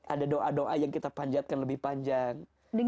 ada doa doa yang kita panjatkan lebih panjang